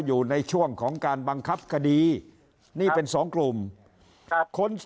อยู่ในช่วงของการบังคับคดีนี่เป็นสองกลุ่มครับคน